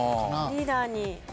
リーダー。